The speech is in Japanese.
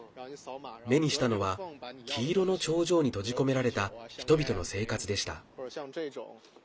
目にしたのは黄色の長城に閉じ込められた人々の生活でした。